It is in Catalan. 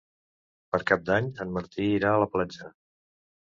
Per Cap d'Any en Martí irà a la platja.